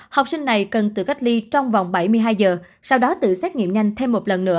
học sinh này cần tự cách ly trong vòng bảy mươi hai giờ sau đó tự xét nghiệm nhanh thêm một lần nữa